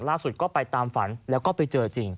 ล่าสุดก็ไปตามฝันแล้วก็ไปเจอจริง